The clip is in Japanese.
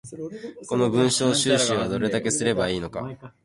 この文章収集はどれだけすれば良いのか